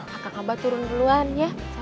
kakak ngabah turun duluan ya